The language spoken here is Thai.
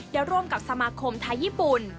ได้ร่วมกับสมาคมไทยญี่ปุ่น